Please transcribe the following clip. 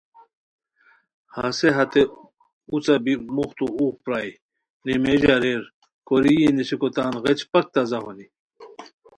ہسے ہتے اوڅہ بی موختو اوغ پرائے، نیمیژ اریر کوری یی نیسیکو تان غیچ پاک تازہ ہونی